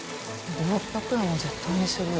５６００円は絶対にするよ。